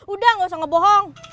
udah gak usah ngebohong